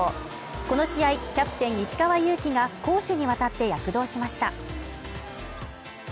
この試合、キャプテン石川祐希が攻守にわたって躍動しました。